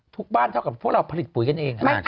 บ้านเท่ากับพวกเราผลิตปุ๋ยกันเอง